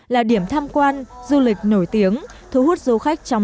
là điểm tham quan du lịch nổi tiếng